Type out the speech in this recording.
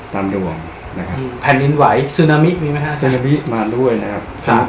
ตามดวงนะครับอืมแผ่นดินไหวซึนามิมีไหมครับซึนามิมาด้วยนะครับครับ